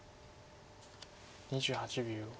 ２８秒。